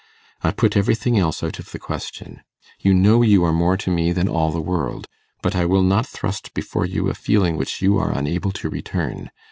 I put everything else out of the question. You know you are more to me than all the world; but I will not thrust before you a feeling which you are unable to return.